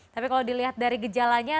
tapi kalau dilihat dari gejalanya